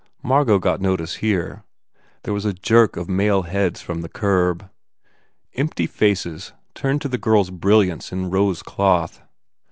Margot got notice, here. There was a jerk of male heads from the curb. Empty faces turned to the girl s brilliance in rose cloth.